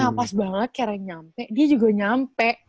nah pas banget karena nyampe dia juga nyampe